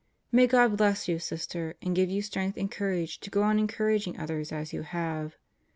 ... May God bless you, Sister, and give you strength and courage to go on encouraging others as you have.